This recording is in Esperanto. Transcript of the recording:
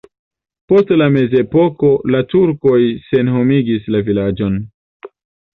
Post la mezepoko la turkoj senhomigis la vilaĝon.